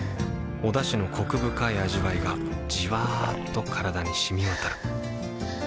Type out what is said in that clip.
おだしのコク深い味わいがじわっと体に染み渡るはぁ。